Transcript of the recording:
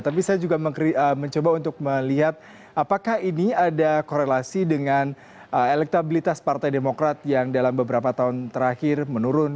tapi saya juga mencoba untuk melihat apakah ini ada korelasi dengan elektabilitas partai demokrat yang dalam beberapa tahun terakhir menurun